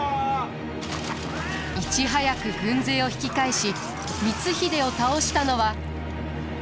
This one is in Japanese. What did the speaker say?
いち早く軍勢を引き返し光秀を倒したのは。